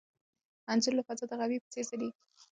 انځور له فضا د غمي په څېر ځلېږي.